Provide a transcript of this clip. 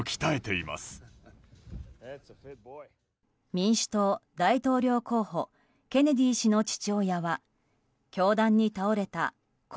民主党大統領候補ケネディ氏の父親は凶弾に倒れた故